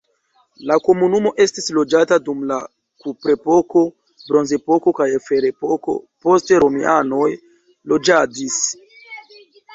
La komunumo estis loĝata dum la kuprepoko, bronzepoko kaj ferepoko, poste romianoj loĝadis.